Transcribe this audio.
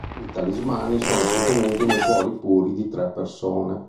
I talismani sono contenuti nei cuori puri di tre persone.